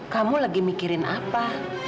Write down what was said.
kamu lagi mikirin apa